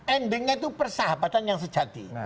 endingnya itu persahabatan yang sejati